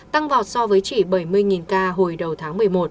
tăng vọt so với chỉ bảy mươi ca hồi đầu tháng một mươi một